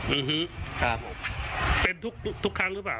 อื้อฮือเป็นทุกครั้งหรือเปล่า